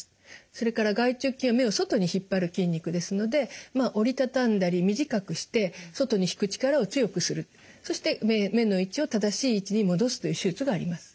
それから外直筋は目を外に引っ張る筋肉ですのでまあ折りたたんだり短くして外に引く力を強くするそして目の位置を正しい位置に戻すという手術があります。